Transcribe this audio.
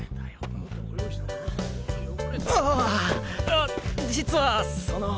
あ実はその。